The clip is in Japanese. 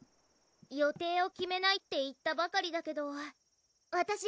予定を決めないって言ったばかりだけどわたし